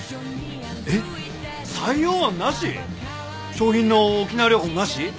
賞品の沖縄旅行もなし？